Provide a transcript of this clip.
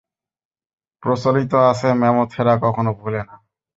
প্রচলিত আছে, ম্যামথেরা কখনো ভুলে না।